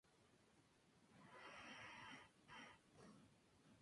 Según este fenómeno, la temperatura del aire disminuye con la altitud.